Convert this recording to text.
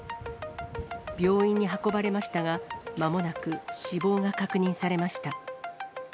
病院に運ばれましたが、まもなく死亡が確認されました。